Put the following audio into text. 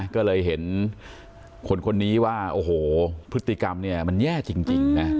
ก็เลยเห็นคนคนนี้ว่าโอ้โหพฤติกรรมเนี่ยมันแย่จริงนะ